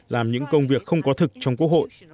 làm những công việc không có thực trong quốc hội